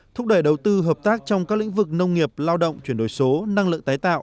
thúc đẩy đầu tư hợp tác trong các lĩnh vực nông nghiệp lao động chuyển đổi số năng lượng tái tạo